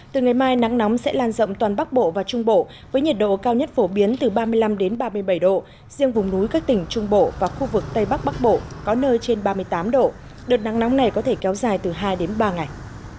từ ngày mai nắng nóng sẽ lan rộng toàn bắc bộ và trung bộ với nhiệt độ cao nhất phổ biến từ ba mươi năm ba mươi bảy độ riêng vùng núi các tỉnh trung bộ và khu vực tây bắc bắc bộ có nơi trên ba mươi tám độ đợt nắng nóng này có thể kéo dài từ hai đến ba ngày